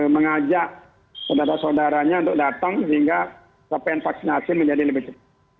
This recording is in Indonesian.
mengajak saudara saudaranya untuk datang sehingga capaian vaksinasi menjadi lebih cepat